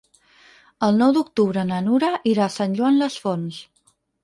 El nou d'octubre na Nura irà a Sant Joan les Fonts.